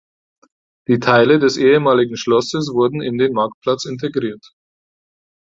Die Teile des ehemaligen Schlosses wurden in den Marktplatz integriert.